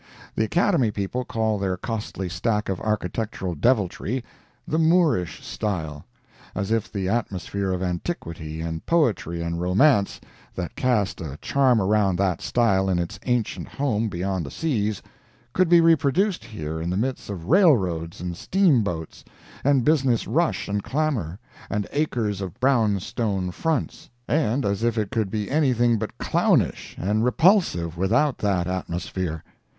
The Academy people call their costly stack of architectural deviltry "the Moorish style"—as if the atmosphere of antiquity and poetry and romance, that cast a charm around that style in its ancient home beyond the seas, could be reproduced here in the midst of railroads and steamboats, and business rush and clamor, and acres of brownstone fronts—and as if it could be anything but clownish and repulsive without that atmosphere!